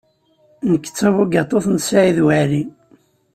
Nekk d tabugaṭut n Saɛid Waɛli.